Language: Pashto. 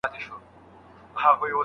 آیا ازموینه تر کورني کار سخته ده؟